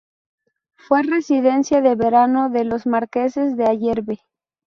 Fue residencia de verano de los marqueses de Ayerbe.